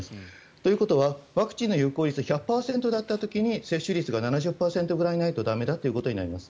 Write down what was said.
ということはワクチンの有効率１００％だった時に接種率が７０％ぐらいないと駄目だということになります。